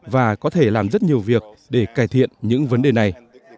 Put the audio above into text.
và có thể làm rất nhiều việc để cải thiện những vấn đề này